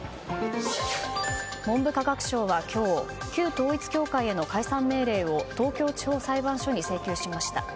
文部科学省は今日旧統一教会への解散命令を東京地方裁判所に請求しました。